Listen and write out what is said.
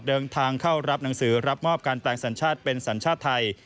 เดินทางเข้ารับหนังสือรับมอบการแปลงสัญชาติเป็นสัญชาติไทย